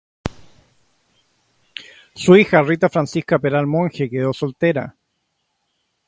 Su hija Rita Francisca Peral Monge quedó soltera.